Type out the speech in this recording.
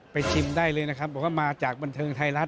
ชิมได้เลยนะครับบอกว่ามาจากบันเทิงไทยรัฐ